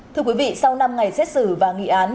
thưa quý vị sau năm ngày xét xử và nghị án